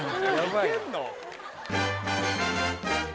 いけんの？